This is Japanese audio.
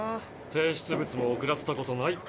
提出物もおくらせたことない。